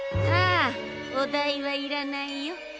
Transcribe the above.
ああお代はいらないよ。